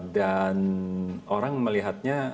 dan orang melihatnya